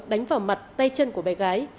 đánh vào mặt tay chân của bé gái